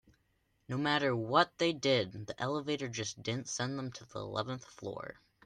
No matter what they did, the elevator just didn't send them to the eleventh floor.